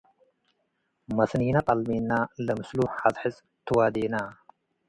መስኒነ ጠልሜ’ነ - ለምስሉ ሐጽሕጽ ትዋዴና